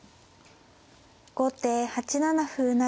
後手８七歩成。